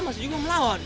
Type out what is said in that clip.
masih juga melawan